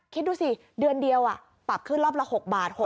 คิดดูสิเดือนเดียวปรับขึ้นรอบละ๖บาท